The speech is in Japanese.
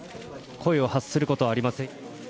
声を発することはありません。